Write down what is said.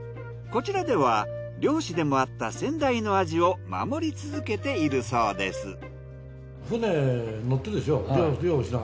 こちらでは漁師でもあった先代の味を守り続けているそうです。